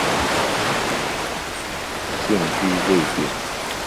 现居瑞典。